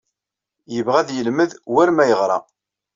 Yebɣa ad yelmed war ma yeɣra.